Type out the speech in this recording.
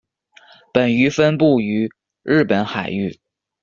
本鱼分布于日本海域。